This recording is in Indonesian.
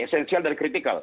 esensial dan kritikal